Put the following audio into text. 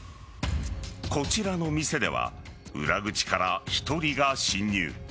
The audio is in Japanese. こちらの店では裏口から１人が侵入。